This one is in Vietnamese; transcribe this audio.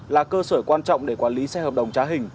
là cơ sở quan trọng để quản lý xe hợp đồng trá hình